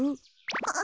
あ。